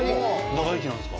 長生きなんですか？